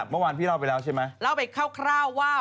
เมื่อวานพี่เล่าไปแล้วใช่ไหมเล่าไปคร่าวว่า